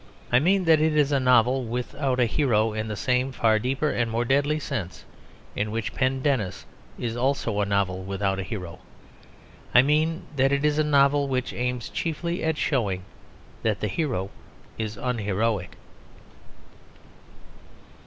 I mean that it is a novel without a hero in the same far deeper and more deadly sense in which Pendennis is also a novel without a hero. I mean that it is a novel which aims chiefly at showing that the hero is unheroic.